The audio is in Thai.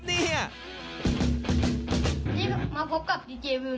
นี่มาพบกับดีเจวิว